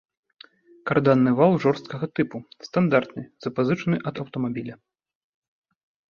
Карданны вал жорсткага тыпу, стандартны, запазычаны ад аўтамабіля.